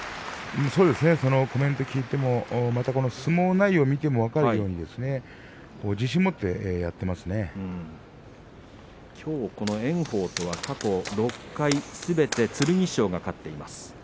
そのコメントを聞いても相撲内容を見ても分かるように炎鵬とは過去６回すべて剣翔が勝っています。